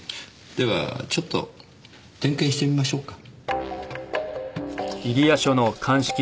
ではちょっと点検してみましょうか。